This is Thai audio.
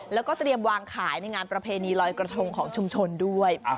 แล้วก็เตรียมวางขายในงานประเพณีลอยกระทงของชุมชนด้วย